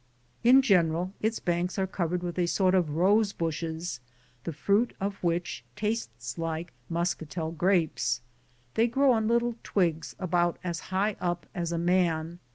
In general, its banks are cov ered with a sort of rose bushes, the fruit of which tastes like muscatel grapes. They grow on little twigs about as high up as a man.